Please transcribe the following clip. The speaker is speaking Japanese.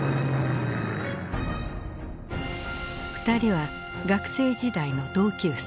２人は学生時代の同級生。